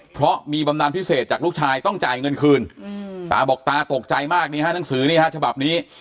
เพราะมีบำนานพิเศษจากลูกชายต้องจ่ายเงินคืนตาบอกตาตกใจมากนี่ฮะหนังสือนี่ฮะฉบับนี้